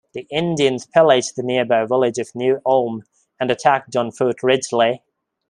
The Indians pillaged the nearby village of New Ulm and attacked on Fort Ridgely.